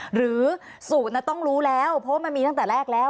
หรือสูตรต้องรู้แล้วเพราะว่ามันมีตั้งแต่แรกแล้ว